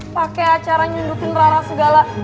pake acara nyundukin rara segala